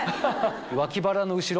脇腹の後ろ